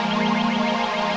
lu baru anak yang cut